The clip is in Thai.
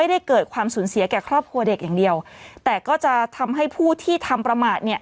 ได้เกิดความสูญเสียแก่ครอบครัวเด็กอย่างเดียวแต่ก็จะทำให้ผู้ที่ทำประมาทเนี่ย